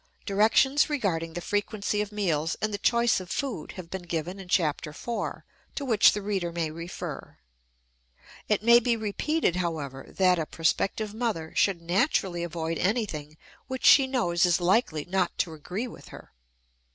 Directions regarding the frequency of meals and the choice of food have been given in Chapter IV, to which the reader may refer. It may be repeated, however, that a prospective mother should naturally avoid anything which she knows is likely not to agree with her.